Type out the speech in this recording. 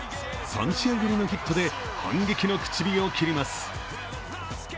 ３試合ぶりヒットで反撃の口火を切ります。